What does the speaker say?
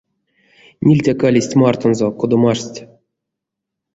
Нильтякалесть мартонзо кода маштсть.